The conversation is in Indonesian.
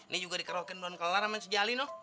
nih juga dikerokin doang kelar sama si jali no